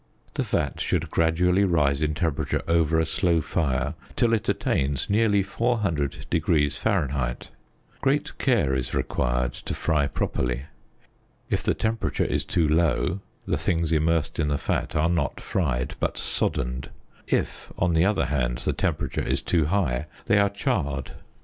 The fat should gradually rise in temperature over a slow fire till it attains nearly 400┬░ Fahr. Great care is required to fry properly. If the tem perature is too low the things immersed in the fat are not fried, but soddened; if, on the other hand, the temperature is too high, they are charred.